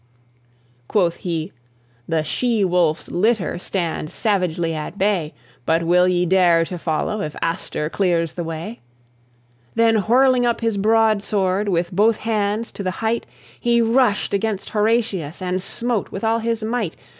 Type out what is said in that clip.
Quoth he: "The she wolf's litter Stand savagely at bay; But will ye dare to follow, If Astur clears the way?" Then, whirling up his broadsword With both hands to the height, He rushed against Horatius, And smote with all his might.